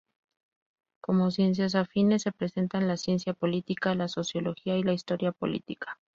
Como ciencias afines se presentan la ciencia política, la sociología y la historia política.